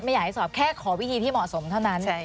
อยากให้สอบแค่ขอวิธีที่เหมาะสมเท่านั้น